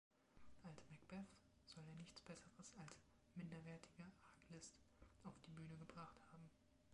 Als Macbeth soll er nichts Besseres als „minderwertige Arglist“ auf die Bühne gebracht haben.